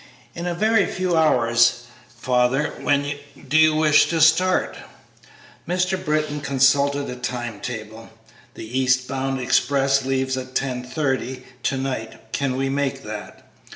"In a very few hours, father; when do you wish to start?" Mr. Britton consulted a time table. "The east bound express leaves at ten thirty to night; can we make that?"